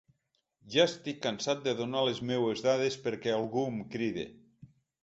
“Ja estic cansat de donar les meues dades perquè algú em cride”.